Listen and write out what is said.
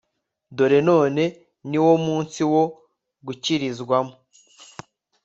dore none ni wo munsi wo gukirizwamo